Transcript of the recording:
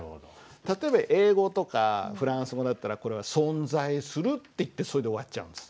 例えば英語とかフランス語だったらこれは「存在する」って言ってそれで終わっちゃうんです。